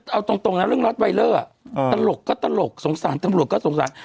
เอาตรงนะเรื่องล็อตไวเลอร์ตลกก็ตลกสงสารตำรวจก็สงสาร